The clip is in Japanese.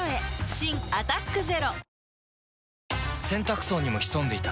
新「アタックＺＥＲＯ」洗濯槽にも潜んでいた。